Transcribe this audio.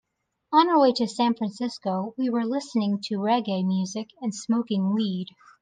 On our way to San Francisco, we were listening to reggae music and smoking weed.